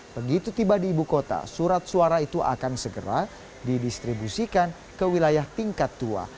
begitu tiba di ibu kota surat suara itu akan segera didistribusikan ke wilayah tingkat tua